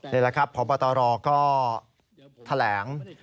นี่แหละครับพบตรก็แถลง